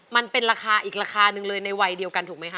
มันเป็นราคาอีกราคาหนึ่งเลยในวัยเดียวกันถูกไหมคะ